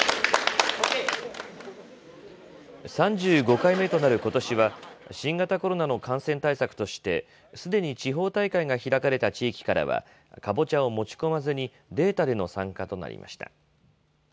３５回目となることしは、新型コロナの感染対策として、すでに地方大会が開かれた地域からは、カボチャを持ち込まずに、データでの参加となりました。